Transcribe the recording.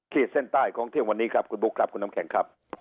เส้นใต้ของเที่ยงวันนี้ครับคุณบุ๊คครับคุณน้ำแข็งครับ